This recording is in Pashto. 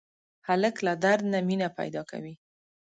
هلک له درد نه مینه پیدا کوي.